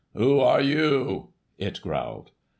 "Who are you?" it growled.